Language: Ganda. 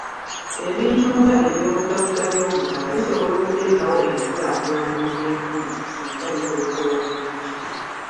Ebintu nga eby'obugagga by'omuttaka bisobola okuleetawo enkulaakulana mu by'enfuna singa bikozesebwa bulungi.